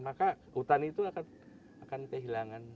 maka hutan itu akan kehilangan